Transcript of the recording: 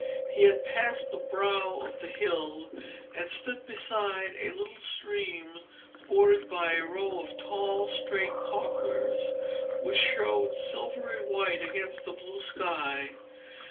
He had passed the brow of the hill, and stood beside a little stream bordered by a row of tall, straight poplars which showed silvery white against the blue sky.